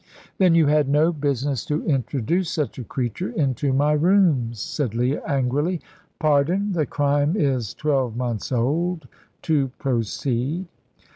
"Then you had no business to introduce such a creature into my rooms," said Leah, angrily. "Pardon, the crime is twelve months old. To proceed.